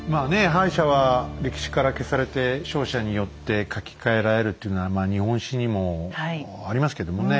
敗者は歴史から消されて勝者によって書き換えられるっていうのはまあ日本史にもありますけどもね